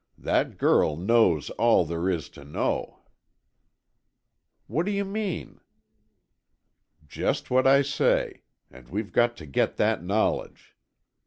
That girl knows all there is to know." "What do you mean?" "Just what I say. And we've got to get that knowledge."